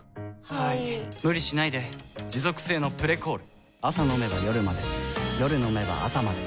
はい・・・無理しないで持続性の「プレコール」朝飲めば夜まで夜飲めば朝まで